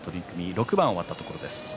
６番終わったところです。